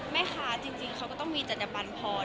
แม่คาจริงเค้าก็ต้องมีจริงรับทราบพลันพอ